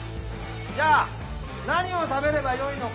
じゃあ何を食べればよいのか？